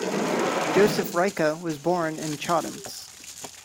Josef Reicha was born in Chudenice.